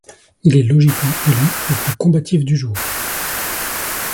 Il est logiquement élu le plus combatif du jour.